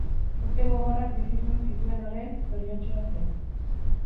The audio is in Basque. Urte gogorrak bizi izan zituen arren, zoriontsua zen.